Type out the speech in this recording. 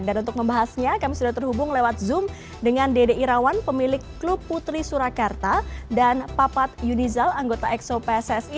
dan untuk membahasnya kami sudah terhubung lewat zoom dengan dede irawan pemilik klub putri surakarta dan papat yunizal anggota exo pssi